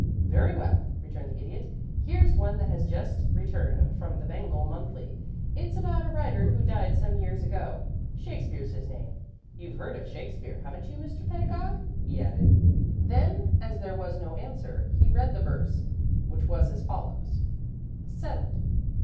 "Very well," returned the Idiot. "Here's one that has just returned from the Bengal Monthly. It's about a writer who died some years ago. Shakespeare's his name. You've heard of Shakespeare, haven't you, Mr. Pedagog?" he added. Then, as there was no answer, he read the verse, which was as follows: SETTLED.